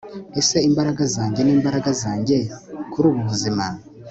Ese imbaraga zanjye nimbaraga zanjye kuri ubu buzima